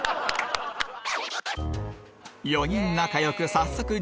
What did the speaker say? ４人仲良く早速乗船！